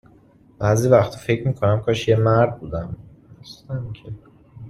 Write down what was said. بعضی وقتا فکر می کنم کاش یه مرد بودم